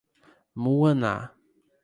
Muaná